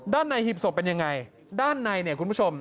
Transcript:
ด้านในหีบศพเป็นยังไงด้านในเนี่ยคุณผู้ชม